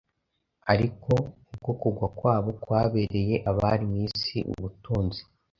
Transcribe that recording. Ariko, ubwo kugwa kwabo kwabereye abari mu isi ubutunzi,